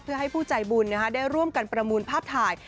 เพื่อให้ผู้ใจบุญได้ร่วมกันประมูลภาพถ่าย